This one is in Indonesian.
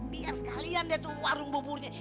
biar kalian lihat tuh warung buburnya